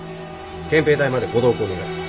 憲兵隊までご同行願います。